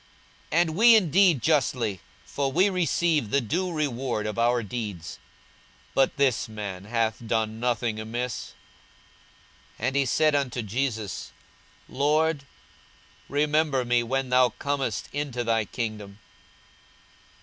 42:023:041 And we indeed justly; for we receive the due reward of our deeds: but this man hath done nothing amiss. 42:023:042 And he said unto Jesus, Lord, remember me when thou comest into thy kingdom.